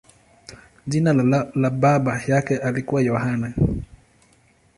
Jina la baba yake lilikuwa Yohane.